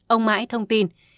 ông mãi thông tin